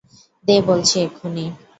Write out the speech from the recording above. দে বলছি, এক্ষুনি।